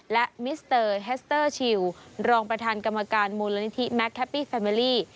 และมิสเตอร์แฮสเตอร์ชิลรองประธานกรรมการมูลนิธิแมคแฮปปี้แฟเมอรี่